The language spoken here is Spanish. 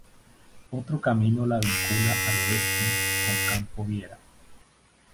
Otro camino la vincula al oeste con Campo Viera.